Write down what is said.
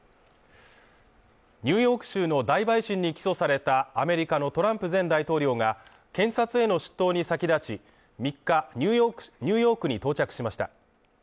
ニューヨーク州の大陪審に起訴されたアメリカのトランプ前大統領が検察への出頭に先立ち３日、ニューヨーク州ニューヨークに到着しました。